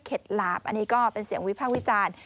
หลาบอันนี้ก็เป็นเสียงวิพากษ์วิจารณ์